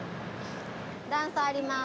段差あります。